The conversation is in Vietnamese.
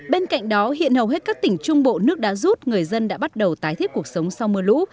bên cạnh đó hiện hầu hết các tỉnh trung bộ nước đã rút người dân đã bắt đầu tái thiết cuộc sống sau mưa lũ